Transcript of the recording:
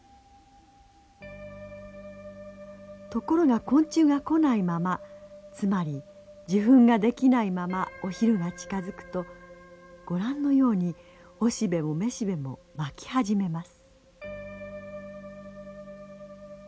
ところが昆虫が来ないままつまり受粉ができないままお昼が近づくとご覧のようにオシベもメシベも巻き始めます。